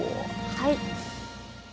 はい。